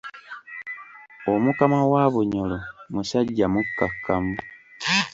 Omukama wa Bunyoro musajja mukkakkamu.